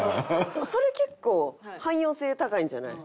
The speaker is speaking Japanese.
それ結構汎用性高いんじゃない？